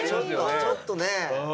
ちょっとね。